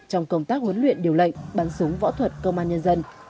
trong công tác huấn luyện điều lệnh bắn súng võ thuật công an nhân dân